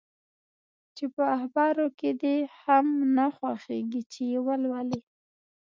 چي په اخبارو کي دي هم نه خوښیږي چي یې ولولې؟